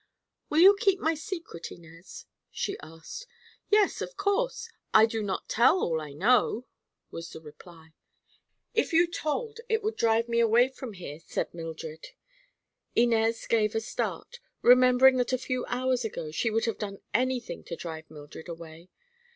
"Will you keep my secret, Inez?" she asked. "Yes; of course. I do not tell all I know," was the reply. "If you told, it would drive me away from here," said Mildred. Inez gave a start, remembering that a few hours ago she would have done anything to drive Mildred away.